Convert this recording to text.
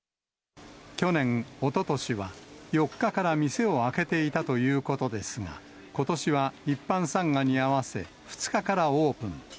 去年、おととしは４日から店を開けていたということですが、ことしは一般参賀に合わせ、２日からオープン。